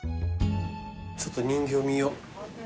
ちょっと人形見よう。